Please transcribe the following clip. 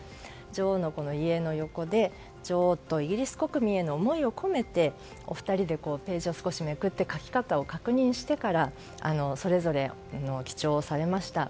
女王の遺影の横で女王とイギリス国民への思いを込めてお二人でページを少しめくって書き方を確認してからそれぞれ記帳をされました。